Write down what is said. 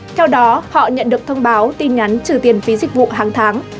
theo đó họ nhận được thông báo tin nhắn trừ tiền phí dịch vụ hàng tháng